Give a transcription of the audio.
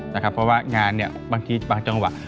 เพราะว่างานเนี่ยบางทีบางจังหวะ